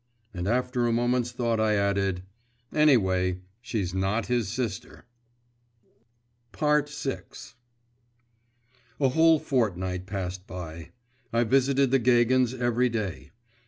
and after a moment's thought I added; 'anyway, she's not his sister.' VI A whole fortnight passed by. I visited the Gagins every day.